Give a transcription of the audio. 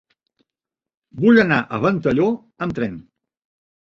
Vull anar a Ventalló amb tren.